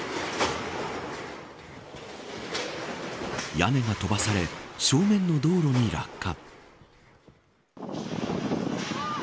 屋根が飛ばされ正面の道路に落下。